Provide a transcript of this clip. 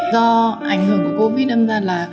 do ảnh hưởng của covid đâm ra là